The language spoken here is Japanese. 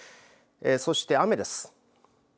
そして、雨です。